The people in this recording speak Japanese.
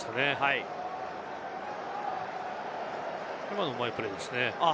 今のうまいプレーですね。